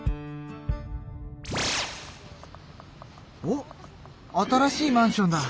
おっ新しいマンションだ。